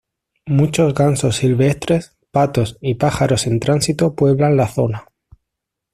Muchos gansos silvestres, patos y pájaros en tránsito pueblan la zona.